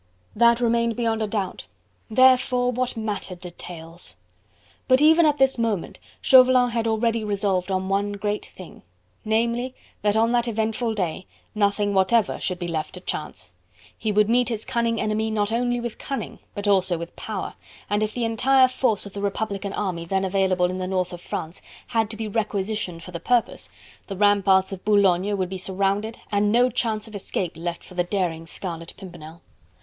That remained beyond a doubt! Therefore what mattered details? But even at this moment, Chauvelin had already resolved on one great thing: namely, that on that eventful day, nothing whatever should be left to Chance; he would meet his cunning enemy not only with cunning, but also with power, and if the entire force of the republican army then available in the north of France had to be requisitioned for the purpose, the ramparts of Boulogne would be surrounded and no chance of escape left for the daring Scarlet Pimpernel.